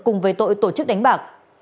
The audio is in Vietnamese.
cùng với tội tổ chức đánh bạc